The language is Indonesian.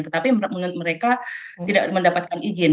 tetapi mereka tidak mendapatkan izin